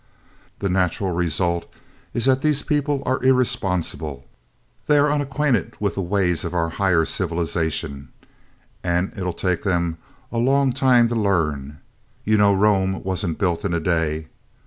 The natural result is that these people are irresponsible. They are unacquainted with the ways of our higher civilisation, and it 'll take them a long time to learn. You know Rome was n't built in a day.